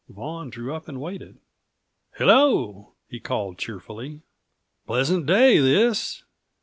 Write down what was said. Vaughan drew up and waited. "Hello!" he called cheerfully. "Pleasant day, this.